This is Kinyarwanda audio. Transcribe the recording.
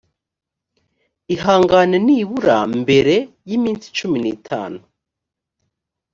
ihangane nibura mbere y iminsi cumi nitanu